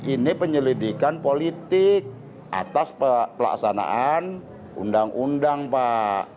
ini penyelidikan politik atas pelaksanaan undang undang pak